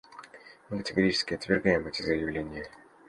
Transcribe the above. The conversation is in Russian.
Мы категорически отвергаем эти заявления.